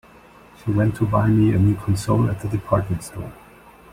She went to buy me a new console at the department store.